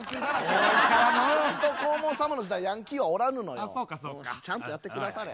水戸黄門様の時代ヤンキーはおらぬのよちゃんとやって下され。